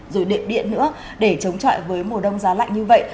rồi đệm điện nữa để chống chọi với mùa đông giá lạnh như vậy